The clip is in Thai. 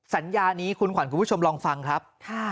สัญญานี้คุณขวัญคุณผู้ชมลองฟังครับ